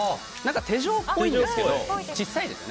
手錠っぽいんですけど小さいですね。